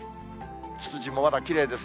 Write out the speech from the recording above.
ツツジもまだきれいです。